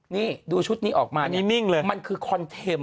นี่ดูชุดนี้ออกมานี่มันคือคอนเทม